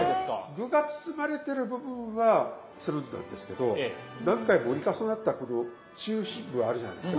具が包まれてる部分はつるんなんですけど何回も折り重なったこの中心部あるじゃないですか。